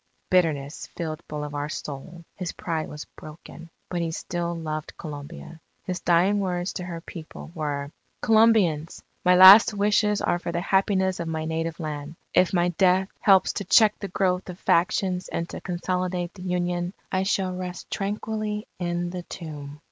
Bitterness filled Bolivar's soul, his pride was broken, but he still loved Colombia. His dying words to her people, were: _Colombians! My last wishes are for the happiness of my native Land. If my death helps to check the growth of factions and to consolidate the Union, I shall rest tranquilly in the tomb.